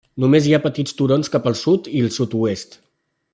Només hi ha petits turons cap al sud i el sud-oest.